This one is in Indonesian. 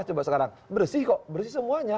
coba sekarang bersih kok bersih semuanya